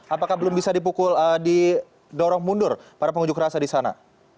apakah belum bisa dipukul didorong mundur para pengunjuk rasa di sana